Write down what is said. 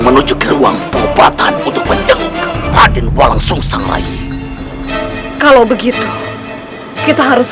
menuju ke ruang pengobatan untuk menjenguk raden walang sung sang rai kalau begitu kita harus